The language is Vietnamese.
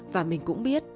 và mình cũng biết